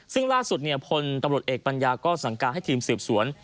ซึ่งล่าสุดพลตำรวจเอกปัญญาก็สั่งการให้ทีมสืบสวน